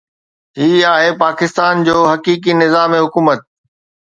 هي آهي پاڪستان جو حقيقي نظام حڪومت.